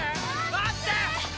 待ってー！